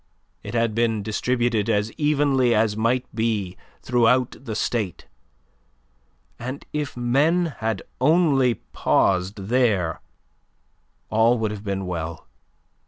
It had been distributed as evenly as might be throughout the State, and if men had only paused there, all would have been well.